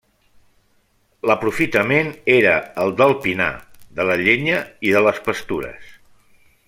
L'aprofitament era el del pinar, de la llenya i de les pastures.